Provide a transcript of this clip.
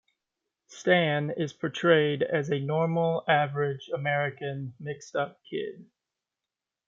Stan is portrayed as "a normal, average, American, mixed-up kid".